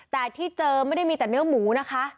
แต่ที่เจอไม่ได้มีแต่เนื้อหมูนะคะ